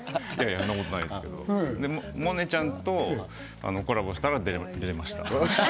んなことないですけど、萌音ちゃんとコラボしたら出られました。